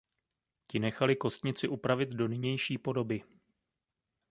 Ti nechali kostnici upravit do nynější podoby.